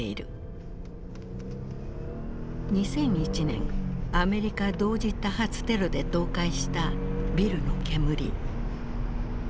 ２００１年アメリカ同時多発テロで倒壊したビルの煙。